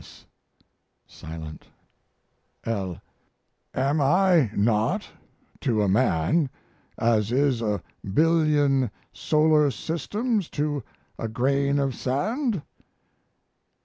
S. (Silent.) L. Am I not, to a man, as is a billion solar systems to a grain of sand?